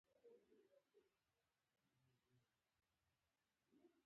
ډېر ستړی سفر و.